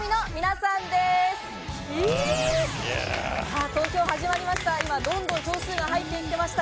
さあ、投票始まりました。